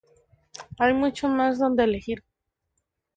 Hay mucho mas donde elegir.